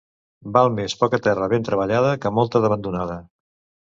Val més poca terra ben treballada que molta d'abandonada.